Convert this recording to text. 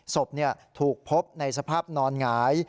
ศพถูกพบในสภาพนอนหงาย